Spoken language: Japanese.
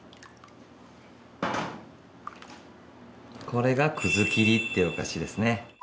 これがくずきりっていうお菓子ですね。